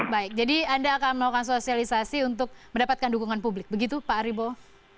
baik jadi anda akan melakukan sosialisasi untuk mendapatkan dukungan publik begitu pak aribo